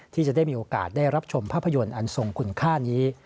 ที่จะได้มีโอกาสได้รับชมภาพยนตร์อันทรงคุณค่านี้